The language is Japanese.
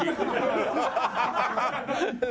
ハハハハ！